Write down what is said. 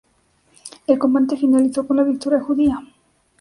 El combate finalizó con la victoria judía.